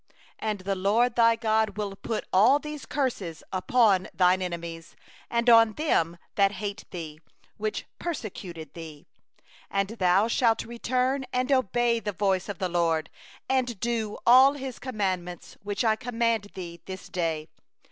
7And the LORD thy God will put all these curses upon thine enemies, and on them that hate thee, that persecuted thee. 8And thou shalt return and hearken to the voice of the LORD, and do all His commandments which I command thee this day.